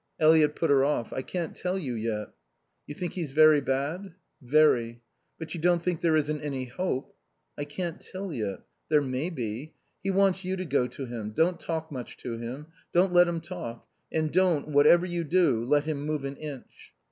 Eliot put her off. "I can't tell you yet." "You think he's very bad?" "Very." "But you don't think there isn't any hope?" "I can't tell yet. There may be. He wants you to go to him. Don't talk much to him. Don't let him talk. And don't, whatever you do, let him move an inch."